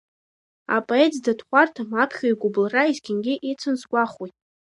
Апоет зда дхәарҭам аԥхьаҩ игәыбылра есқьынагьы ицын сгәахәуеит.